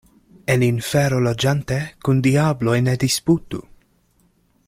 En infero loĝante, kun diabloj ne disputu.